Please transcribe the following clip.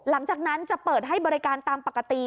หลังจากนั้นจะเปิดให้บริการตามปกติ